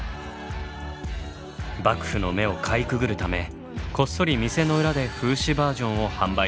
幕府の目をかいくぐるためこっそり店の裏で風刺バージョンを販売したのです。